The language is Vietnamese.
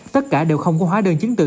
tất cả đều không có hóa đơn chính từ